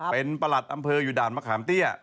เป็นประหลัดอำเภออยู่ด่านมะขามเตี้ย